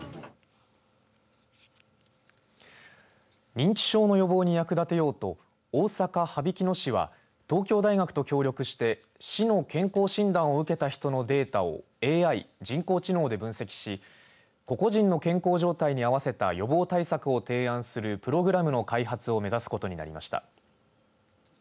認知症の予防に役立てようと大阪・羽曳野市は東京大学と協力して市の健康診断を受けた人のデータをＡＩ、人工知能で分析し個々人の健康状態に合わせた予防対策を提案するプログラムの開発を目指すことになりました。